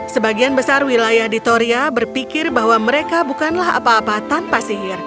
sebagian besar wilayah di toria berpikir bahwa mereka bukanlah apa apa tanpa sihir